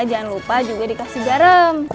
jangan lupa juga dikasih garam